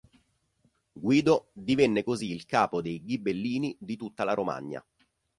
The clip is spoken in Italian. Guido divenne così il capo dei Ghibellini di tutta la Romagna.